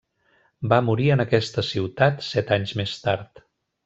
Va morir en aquesta ciutat set anys més tard.